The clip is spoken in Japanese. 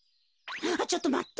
ちょっとまって。